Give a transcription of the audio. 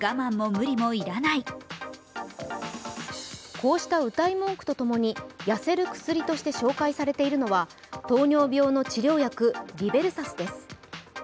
こうしたうたい文句と共に痩せる薬として紹介されているのは糖尿病の治療薬、リベルサスです。